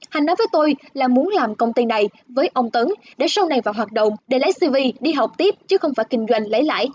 hành nói với tôi là muốn làm công ty này với ông tấn để sau này vào hoạt động để lái cv đi học tiếp chứ không phải kinh doanh lấy lãi